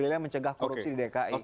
nilai mencegah korupsi di dki